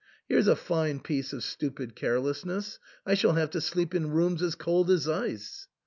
Here's a fine piece of stupid carelessness ! I shall have to sleep in rooms as cold as ice."